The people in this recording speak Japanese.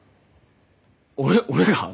俺俺が？